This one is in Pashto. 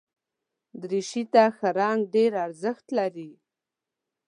دریشي ته ښه رنګ ډېر ارزښت لري.